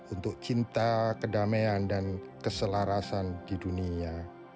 untuk cinta kedamaian dan keselarasan di dunia